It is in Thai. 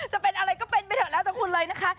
จะเป็นอะไรก็เป็นไปเถอะแล้วแต่คุณเลยนะคะ